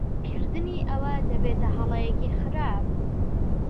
کردنی ئەوە دەبێتە ھەڵەیەکی خراپ.